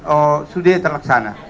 oh sudah terlaksana